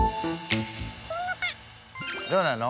どうなの？